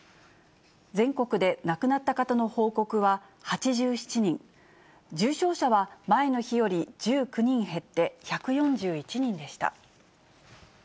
全国で亡くなった方の報告は８７人、重症者は前の日より１９人減って１４１人でした。